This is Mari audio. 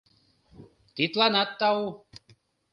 — Тидланат тау!